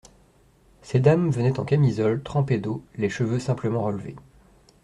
Ces dames venaient en camisole, trempées d'eau, les cheveux simplement relevés.